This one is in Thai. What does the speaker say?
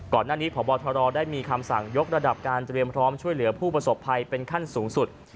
ก่อนหน้านี้พบทรได้มีคำสั่งยกระดับการเตรียมพร้อมช่วยเหลือผู้ประสบภัยเป็นขั้นสูงสุด